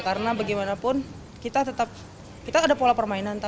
karena bagaimanapun kita tetap kita ada pola permainan